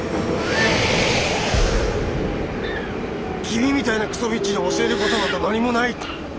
君みたいなクソビッチに教えることなど何もない！